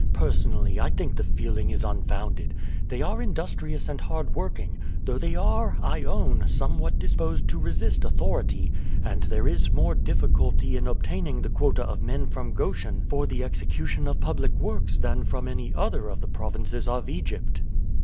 Personally, I think the feeling is unfounded. They are industrious and hard working, though they are, I own, somewhat disposed to resist authority, and there is more difficulty in obtaining the quota of men from Goshen for the execution of public works than from any other of the provinces of Egypt."